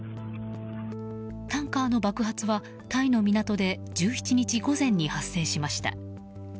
タンカーの爆発は、タイの港で１７日午前に発生しました。